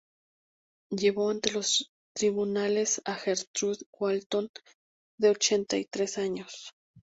llevó ante los tribunales a Gertrude Walton de ochenta y tres años